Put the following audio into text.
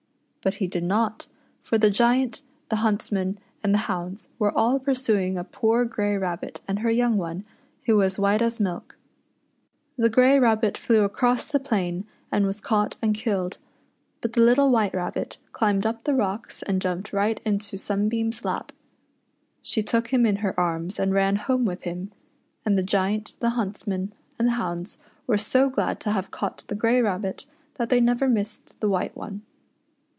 But he did not, for the Giant, the hunts men, and the hounds were all pursuing a poor grey rabbit and her young one, who was white as milk. The grey rabbit flew across the plain and was caught and 70 SUNBEAM AND HER WHITE RABBIT. killed; but the little White Rabbit climbed up the rocks and jumped right into Sunbeam's lap. She took him in her arms and ran home with him, and the Giant, the huntsmen, and the hounds were so glad to have caught the grey rabbit that they never missed the white one.